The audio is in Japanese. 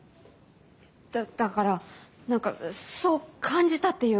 えだだから何かそう感じたっていうか。